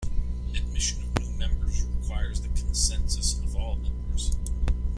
Admission of new members requires the consensus of all members.